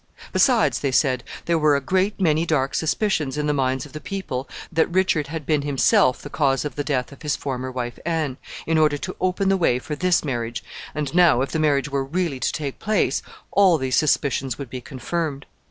Besides, they said, there were a great many dark suspicions in the minds of the people that Richard had been himself the cause of the death of his former wife Anne, in order to open the way for this marriage, and now, if the marriage were really to take place, all these suspicions would be confirmed.